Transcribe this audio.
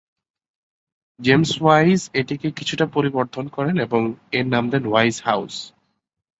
James Wise এটিকে কিছুটা পরিবর্ধন করেন এবং এর নাম দেন ওয়াইজ হাউজ।